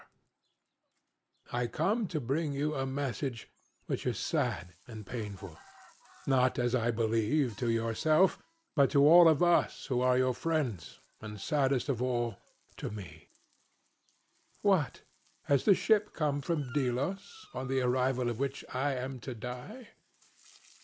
CRITO: I come to bring you a message which is sad and painful; not, as I believe, to yourself, but to all of us who are your friends, and saddest of all to me. SOCRATES: What? Has the ship come from Delos, on the arrival of which I am to die?